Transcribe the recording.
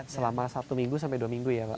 selama satu minggu sampai dua minggu ya pak